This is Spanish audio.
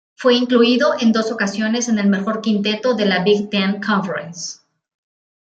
Fue incluido en dos ocasiones en el mejor quinteto de la Big Ten Conference.